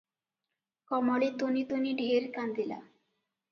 କମଳୀ ତୁନି ତୁନି ଢେର କାନ୍ଦିଲା ।